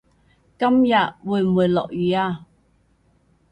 今日會唔會落雨呀